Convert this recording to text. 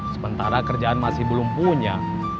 sementara kerjaan masih belum punya